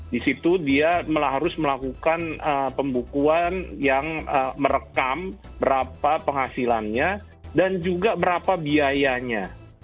di situ dia harus melakukan pembukuan yang merekam berapa penghasilannya dan juga berapa biayanya